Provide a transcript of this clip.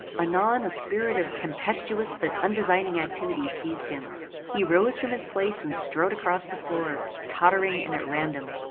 Anon a spirit of tempestuous but undesigning activity seized him. He rose from his place and strode across the floor, tottering and at random.